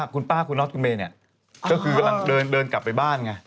คุณป้าคุณน็อตคุณเมย์เนี่ยก็คือกำลังเดินกลับไปบ้านไง